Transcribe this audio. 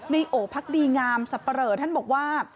ในโอพักดีงามสัปเยอร์ท่านบอกว่า